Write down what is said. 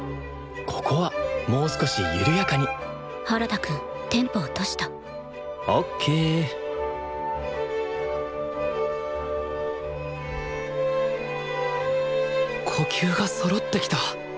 ここはもう少しゆるやかに原田くんテンポ落としたＯＫ呼吸がそろってきた。